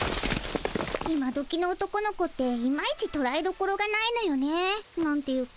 今どきの男の子っていまいちとらえどころがないのよね。なんていうか。